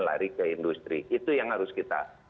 lari ke industri itu yang harus kita